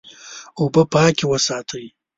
اوبه پاکې وساتئ.